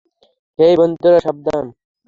হেই, বন্ধুরা, সাবধান।